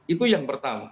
itu yang pertama